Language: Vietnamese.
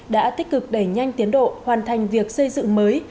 đã tích cực đẩy nhanh tiến độ hoàn thành việc xây dựng mới